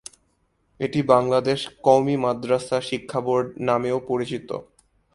এটি বাংলাদেশ কওমি মাদরাসা শিক্ষা বোর্ড নামেও পরিচিত।